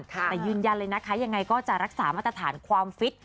แต่ยืนยันเลยนะคะยังไงก็จะรักษามาตรฐานความฟิต